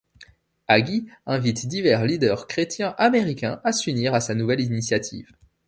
Hagee invite divers leaders chrétiens américains à s'unir à sa nouvelle initiative.